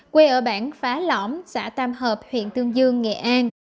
quê ở bản phá lõm xã tam hợp huyện tương dương nghệ an